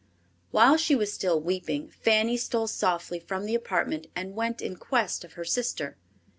While she was still weeping, Fanny stole softly from the apartment and went in quest of her sister.